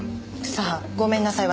さあごめんなさい